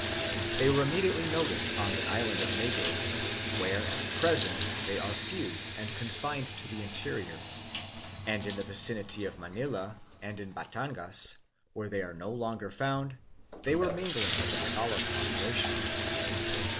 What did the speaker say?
They were im mediately noticed on the island of Negros, where at the present they are few and confined to the interior; and in the vicinity of Manila and in Batangas, where they are no longer found, they were mingling with the Tagalog popu lation. Conditions of Culture.